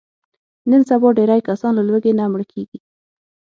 نن سبا ډېری کسان له لوږې نه مړه کېږي.